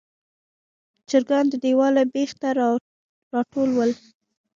چرګان د دیواله بیخ ته راټول ول.